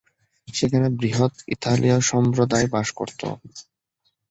সেখানে বৃহৎ ইতালীয় সম্প্রদায় বাস করতো।